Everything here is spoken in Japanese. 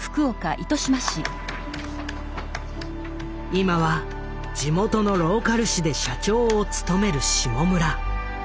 今は地元のローカル紙で社長を務める下村。